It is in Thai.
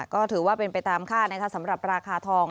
ก็ถือว่าเป็นไปตามค่าสำหรับราคาทอง